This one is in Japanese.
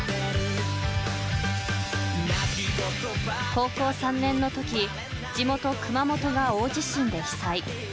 ［高校３年のとき地元熊本が大地震で被災］